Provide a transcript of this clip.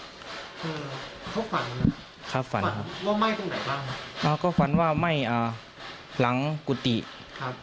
คือเขาฝันครับเขาฝันครับว่าไหม้ตรงไหนบ้างอ่าก็ฝันว่าไหม้อ่าหลังกุฏิครับ